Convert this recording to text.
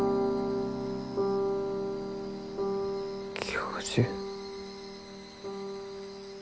教授？